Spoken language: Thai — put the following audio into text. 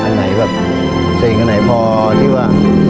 อันไหนแบบสิ่งอันไหนพอที่ว่า